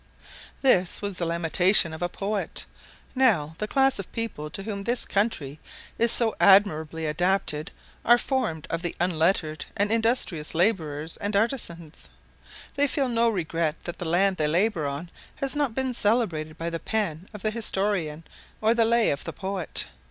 This was the lamentation of a poet. Now, the class of people to whom this country is so admirably adapted are formed of the unlettered and industrious labourers and artisans. They feel no regret that the land they labour on has not been celebrated by the pen of the historian or the lay of the poet.